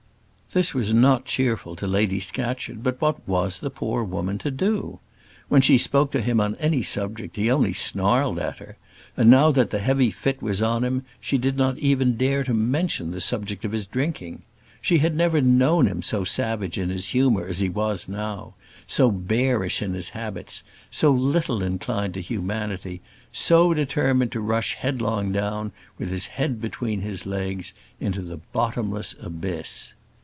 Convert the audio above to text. This was not cheerful to Lady Scatcherd; but what was the poor woman to do? When she spoke to him on any subject he only snarled at her; and now that the heavy fit was on him, she did not dare even to mention the subject of his drinking. She had never known him so savage in his humour as he was now, so bearish in his habits, so little inclined to humanity, so determined to rush headlong down, with his head between his legs, into the bottomless abyss.